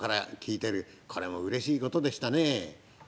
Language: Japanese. これもうれしいことでしたねえ。